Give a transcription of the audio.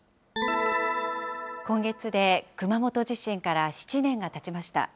今月で熊本地震から７年がたちました。